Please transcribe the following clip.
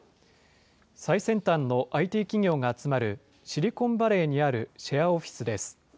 最先端のＩＴ企業が集まるシリコンバレーにあるシェアオフィスです。